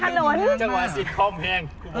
จังหวัดกลางนู้นจังหวัดศิษย์คอมแห้ง